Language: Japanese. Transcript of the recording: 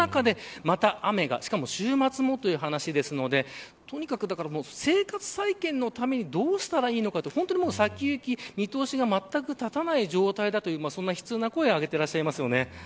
その中で、また雨がまた週末もという話なのでとにかく生活再建のためにどうしたらいいのかと本当に先行き、見通しがまったく立たない状態だというそんな悲痛な声を上げていらっしゃいます。